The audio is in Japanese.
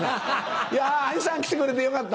いや兄さん来てくれてよかった。